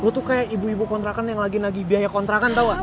lu tuh kayak ibu ibu kontrakan yang lagi nagih biaya kontrakan tau gak